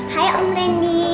hai om randy